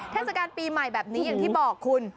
เทศกาลปีใหม่แบบนี้อย่างที่บอกคุณ